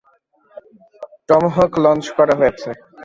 টমহক launch করা হয়েছে।